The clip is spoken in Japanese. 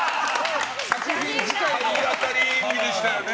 体当たり演技でしたよね。